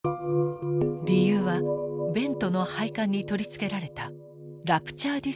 理由はベントの配管に取り付けられたラプチャーディスクの存在です。